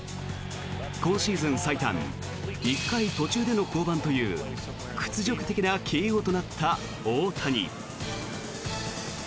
今シーズン最短１回途中での降板という屈辱的なＫＯとなった大谷。